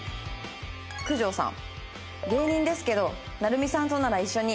九条さん。